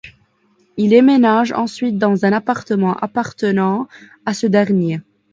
Il emménage ensuite dans un appartement appartenant à ce dernier.